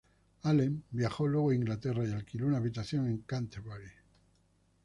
Allen viajó luego a Inglaterra y alquiló una habitación en Canterbury.